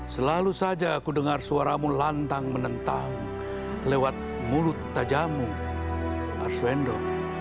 selalu saja aku dengar suaramu lantang menentang lewat mulut tajammu arswendo